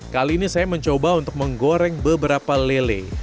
kali ini saya mencoba untuk menggoreng beberapa lele